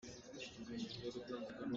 Buk ka sual khawh cang.